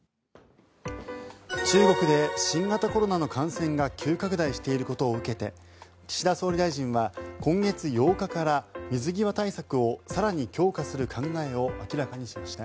中国で新型コロナの感染が急拡大していることを受けて岸田総理大臣は今月８日から水際対策を更に強化する考えを明らかにしました。